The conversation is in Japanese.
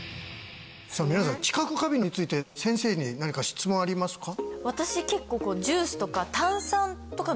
さあ皆さん知覚過敏について先生に何か質問ありますか？